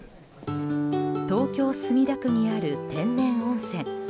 東京・墨田区にある天然温泉。